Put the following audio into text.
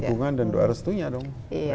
mohon dukungan dan doa restunya dong